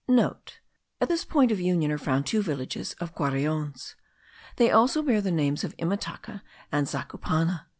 (* At this point of union are found two villages of Guaraons. They also bear the names of Imataca and Zacupana.)